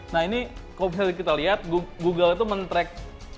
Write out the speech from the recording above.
nah ini kalau misalnya kita lihat google itu men track